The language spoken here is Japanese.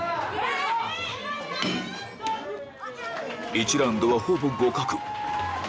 ・１ラウンドはほぼ互角